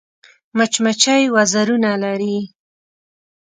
مچمچۍ وزرونه لري